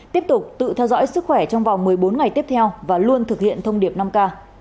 tiếp tục tự theo dõi sức khỏe trong vòng một mươi bốn ngày tiếp theo và luôn thực hiện thông điệp năm k